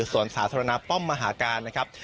ส่วนสาธารณะป้อมมหาการนะครับ